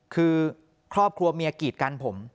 คือครอบครัวเมียกีดกันผม